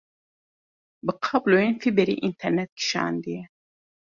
Bi kabloyên fîberê înternet kişandiye.